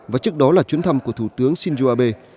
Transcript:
và trước đó là chuyến thăm của thủ tướng shinzo abe